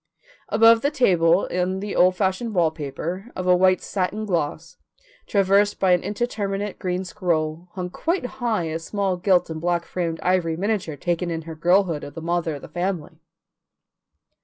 Above the table on the old fashioned paper, of a white satin gloss, traversed by an indeterminate green scroll, hung quite high a small gilt and black framed ivory miniature taken in her girlhood of the mother of the family.